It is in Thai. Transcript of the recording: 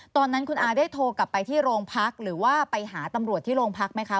ตอนนั้นคุณอาได้โทรกลับไปที่โรงพักหรือว่าไปหาตำรวจที่โรงพักไหมคะ